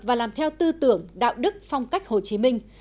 và làm theo tư tưởng đạo đức phong cách hồ chí minh